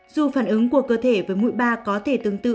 dù phản ứng của cơ thể với mũi ba có thể tương tự